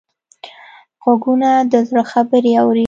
غوږونه د زړه خبرې اوري